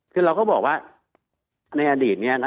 คือเราก็บอกว่าในอดีตนี้นะ